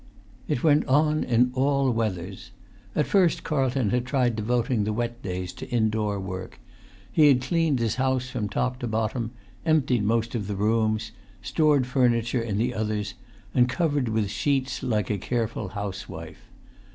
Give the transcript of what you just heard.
It went on in all weathers. At first Carlton had tried devoting the wet days to indoor work. He had cleaned his house from top to bottom, emptied most[Pg 210] of the rooms, stored furniture in the others, and covered with sheets like a careful housewife.